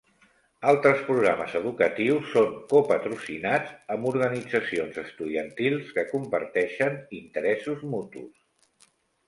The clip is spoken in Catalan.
Altres programes educatius són co-patrocinats amb organitzacions estudiantils que comparteixen interessos mutus.